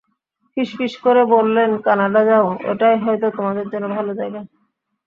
ফিসফিস করে বললেন, কানাডা যাও, ওটাই হয়তো তোমাদের জন্য ভালো জায়গা।